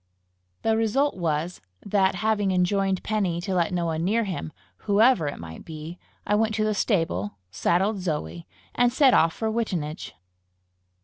The result was, that, having enjoined Penny to let no one near him, whoever it might be, I went to the stable, saddled Zoe, and set off for Wittenage.